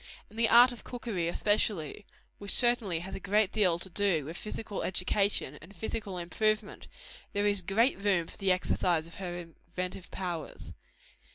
In the art of cookery especially which certainly has a great deal to do with physical education and physical improvement there is great room for the exercise of her inventive powers.